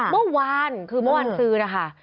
เมื่อวานคือเมื่อวานซื้อนะคะ